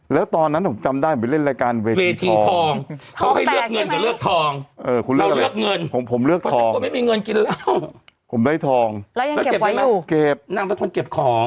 แล้วยังเก็บไว้อยู่